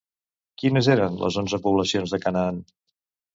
Quines eren les onze poblacions de Canaan?